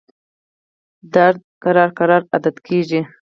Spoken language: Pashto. درد ورو ورو عادت کېږي.